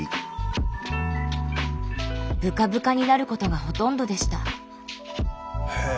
ブカブカになることがほとんどでした。